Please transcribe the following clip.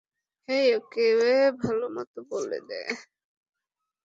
হেই, okay ভালোমতো বলে দে!